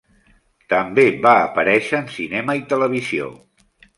També va aparèixer en cinema i televisió.